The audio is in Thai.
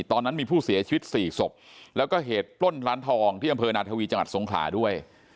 ตอนนั้นมีผู้เสียชีวิต๔ศพแล้วก็เหตุปล้นร้านทองที่อำเภอนาธวีจังหวัดสงขลาด้วย